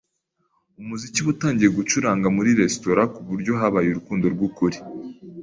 Umuziki watangiye gucuranga muri resitora kuburyo habaye urukundo rwukuri.